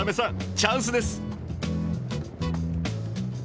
チャンスです！